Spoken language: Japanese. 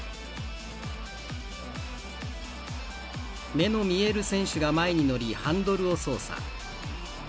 目の見える選手が前に乗りハンドルを操作。